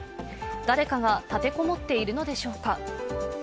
誰かが立て籠もっているのでしょうか。